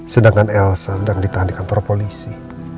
sedangkan elsa sedang ditahan di kantor polisi